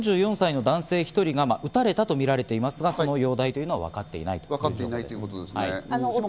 ４４歳の男性１人が撃たれたとみられていますが、容体はわかっていないということです。